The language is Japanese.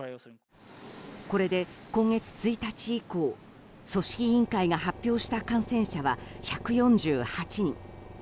これで今月１日以降組織委員会が発表した感染者は１４８人。